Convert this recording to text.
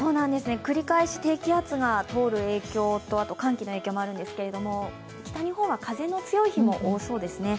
繰り返し低気圧が通る影響と寒気の影響もあるんですけど、北日本は風の強い日も多そうですね。